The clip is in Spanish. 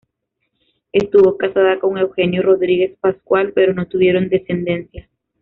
Estuvo casada con Eugenio Rodríguez Pascual, pero no tuvieron descendencia.